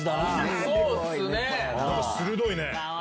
鋭いね。